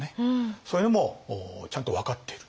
そういうのもちゃんと分かっている。